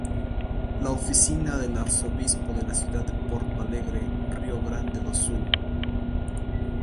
La oficina del arzobispo de la ciudad de Porto Alegre, Rio Grande do Sul